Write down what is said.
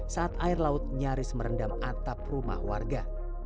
saat air laut nyaris merendam atap rumah warga